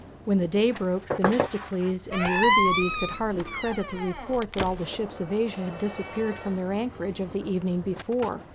When the day broke Themistocles and Eurybiades could hardly credit the report that all the ships of Asia had disappeared from their anchorage of the evening before.